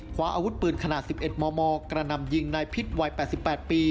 คว้าอาวุธปืนขนาด๑๑มมกระนำยิงนายพิษวัย๘๘ปี